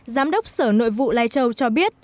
giám đốc sở nội vụ lai châu cho biết